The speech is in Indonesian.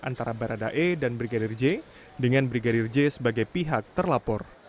antara baradae dan brigadir j dengan brigadir j sebagai pihak terlapor